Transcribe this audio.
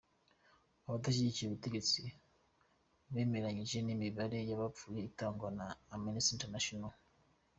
Abadashyigikiye ubutegetsi bemeranyije n’imibare y’abapfuye itangwa na Amnesty International.